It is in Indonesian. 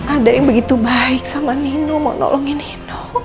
ada yang begitu baik sama nino mau nolongin nino